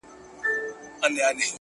په رڼا ورځ چي په عصا د لاري څرک لټوي!!